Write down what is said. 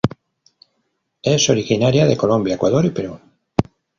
Es originaria de Colombia, Ecuador y Perú.